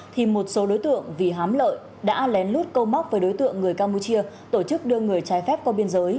thì một số đối tượng vì hám lợi đã lén lút câu móc với đối tượng người campuchia tổ chức đưa người trái phép qua biên giới